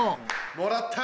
もらった！